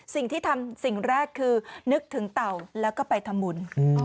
สิ่งที่ทำสิ่งแรกคือนึกถึงเต่าแล้วก็ไปทำบุญ